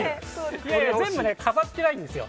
いやいや全部飾ってないんですよ。